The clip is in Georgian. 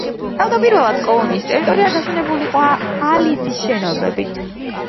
თავდაპირველად კოლონიის ტერიტორია გაშენებული იყო ალიზის შენობებით.